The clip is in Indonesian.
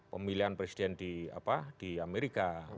pemilihan presiden di amerika